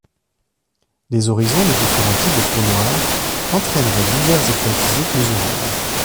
Les horizons des différents types de trous noirs entraîneraient divers effets physiques mesurables.